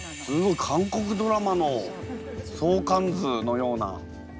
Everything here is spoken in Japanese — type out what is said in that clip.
韓国ドラマの相関図のような。